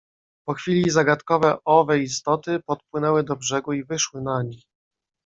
"Po chwili zagadkowe owe istoty podpłynęły do brzegu i wyszły nań."